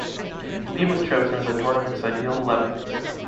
Lee was chosen in the Tournament’s ideal eleven.